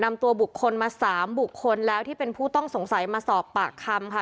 นำตัวบุคคลมา๓บุคคลแล้วที่เป็นผู้ต้องสงสัยมาสอบปากคำค่ะ